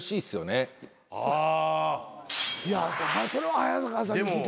それは早坂さんに聞いてみな。